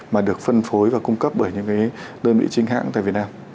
mà được phân phối và cung cấp bởi những cái đơn vị chính hãng tại việt nam